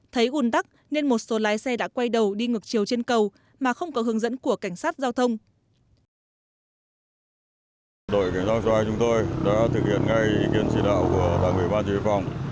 thấy ùn tắc nên một số lái xe đã quay đầu đi ngược chiều trên cầu mà không có hướng dẫn của cảnh sát giao thông